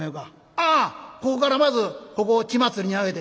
「ああここからまずここを血祭りに上げて」。